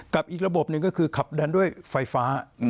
อีกระบบหนึ่งก็คือขับดันด้วยไฟฟ้า